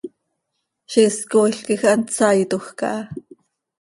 Ziix is cooil quij hant saitoj caha.